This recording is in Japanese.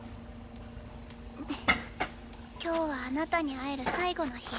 今日はあなたに会える最後の日。